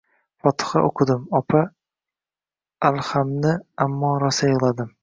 «Fotiha» o'qidim, opa, «Alham»ni. Ammo, rosa yig'ladim.